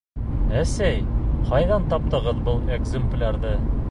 Әсәй, ҡайҙан таптығыҙ был экземплярҙы?